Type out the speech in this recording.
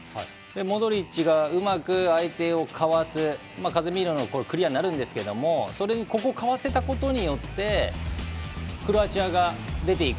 モドリッチがうまく相手をかわすカゼミーロのクリアになるんですけれどもそれにここかわせたことによってクロアチアが出ていく。